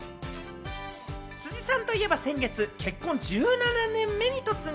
辻さんといえば先月、結婚１７年目に突入。